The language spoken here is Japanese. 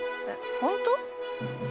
本当！？